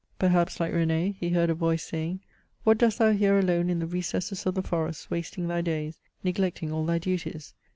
Perhaps, Uke R^n^, he heard a voice, saying, "What dost thou here alone in the recesses of the forests wasting thy days, neglecting all thy duties